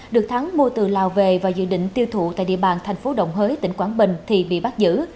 được thắng mua từ lào về và dự định tiêu thụ tại địa bàn thành phố đồng hới tỉnh quảng bình thì bị bắt giữ